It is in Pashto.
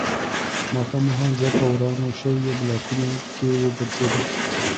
ماښام مهال زه په ورانو شویو بلاکونو کې وګرځېدم